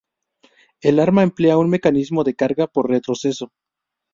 El arma emplea un mecanismo de recarga por retroceso.